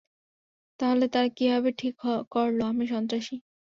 তাহলে তারা কিভাবে ঠিক করলো, আমি সন্ত্রাসী?